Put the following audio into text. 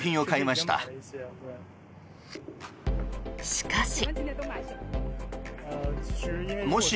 しかし。